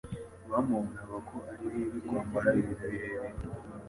Bamubonaga ko ari bibi kwambara ibintu birebire